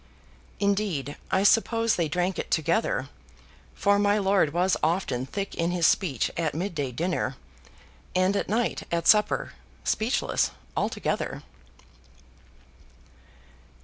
Indeed, I suppose they drank it together; for my lord was often thick in his speech at mid day dinner; and at night at supper, speechless altogether.